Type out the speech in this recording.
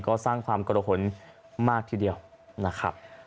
ก็สร้างความกระหนมากทีเดียวนะครับ